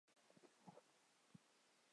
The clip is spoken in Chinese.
另外今上天皇明仁与皇后美智子当年。